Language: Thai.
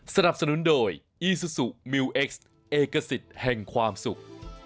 สนับสนุนโดยอีซูซูมิวเอ็กซ์เอกสิทธิ์แห่งความสุข